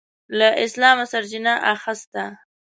له اسلامه سرچینه اخیسته.